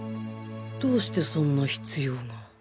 どうしてそんな必要が